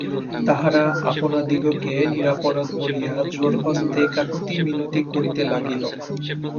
তাহারা আপনাদিগকে নিরপরাধ বলিয়া জোড়হস্তে কাকুতিমিনতি করিতে লাগিল।